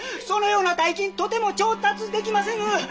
そのような大金とても調達できませぬ。